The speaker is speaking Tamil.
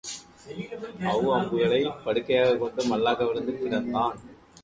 அவ் அம்புகளைப் படுக்கையாகக் கொண்டு மல்லாக்காக விழுந்து கிடந்தான்.